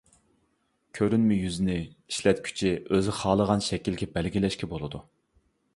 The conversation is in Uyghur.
كۆرۈنمە يۈزنى ئىشلەتكۈچى ئۆزى خالىغان شەكىلگە بەلگىلەشكە بولىدۇ.